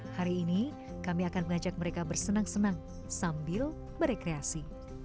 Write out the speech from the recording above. hari ini kami akan mengajak mereka bersenang senang sambil merekreasi